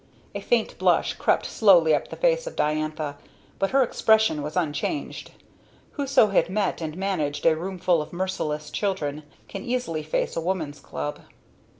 A faint blush crept slowly up the face of Diantha, but her expression was unchanged. Whoso had met and managed a roomful of merciless children can easily face a woman's club.